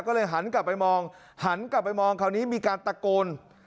ก็เลยหันกลับไปมองหันกลับไปมองคราวนี้มีการตะโกน